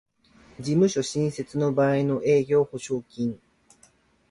事務所新設の場合の営業保証金